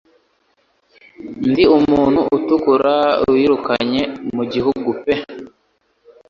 Ndi umuntu utukura wirukanye mu gihugu pe